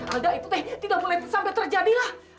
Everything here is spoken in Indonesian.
alda itu tidak boleh sampai terjadi